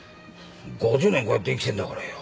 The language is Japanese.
５０年こうやって生きてんだからよ。